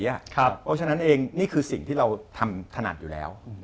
เพราะฉะนั้นเองนี่คือสิ่งที่เราทำถนัดอยู่แล้ว